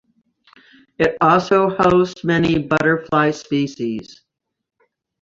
It also hosts many butterfly species.